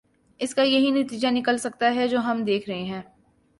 اس کا یہی نتیجہ نکل سکتا ہے جو ہم دیکھ رہے ہیں۔